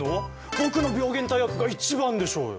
僕の病原体役が一番でしょうよ？